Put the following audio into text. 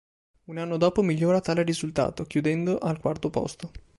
Un anno dopo migliora tale risultato, chiudendo al quarto posto.